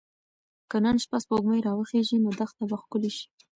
که نن شپه سپوږمۍ راوخیژي نو دښته به ښکلې شي.